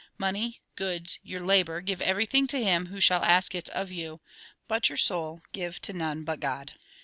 Money, goods, your labour, give everything to him who shall ask it of you. But your soul, give to none but God.